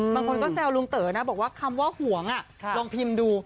บางคนก็แซวลุงเต๋อนะบอกว่าคำว่าห่วงลองพิมพ์ดู